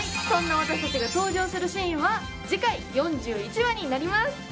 そんな私たちが登場するシーンは次回４１話になります。